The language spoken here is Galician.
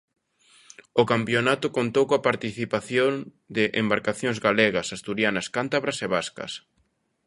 O campionato contou coa participación de embarcacións galegas, asturianas, cántabras e vascas.